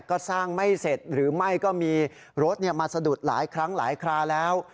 ก็สร้างไม่เสร็จหรือไม่ก็มีรถมาสะดุดหลายครั้งหลายคราแล้ว